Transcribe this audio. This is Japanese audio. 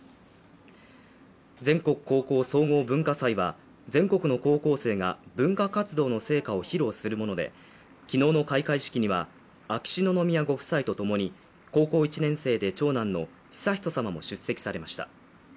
全国高校総合文化祭は、全国の高校生が文化活動の成果を披露するもので昨日の開会式には秋篠宮ご夫妻とともに高校１年生で長男の悠仁さまも出席されました。